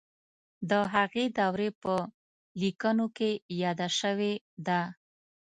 د هغې دورې په لیکنو کې یاده شوې ده.